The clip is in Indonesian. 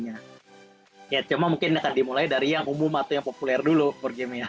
ya cuma mungkin akan dimulai dari yang umum atau yang populer dulu world game ya